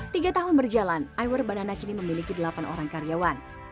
tiga tahun berjalan iwer banana kini memiliki delapan orang karyawan